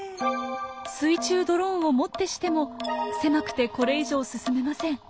水中ドローンをもってしても狭くてこれ以上進めません。